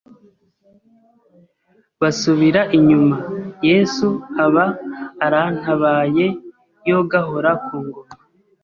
basubira inyuma, Yesu aba arantabaye yo gahora ku ngoma!